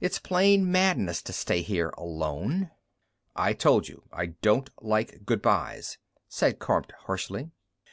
"It's plain madness to stay here alone." "I told you I don't like goodbyes," said Kormt harshly.